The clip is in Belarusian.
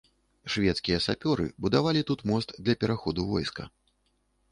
Шведскія сапёры будавалі тут мост для пераходу войска.